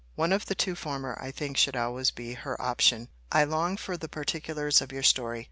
One of the two former, I think, should always be her option. I long for the particulars of your story.